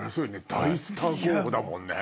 大スター候補だもんね。